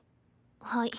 はい。